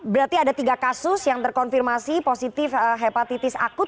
berarti ada tiga kasus yang terkonfirmasi positif hepatitis akut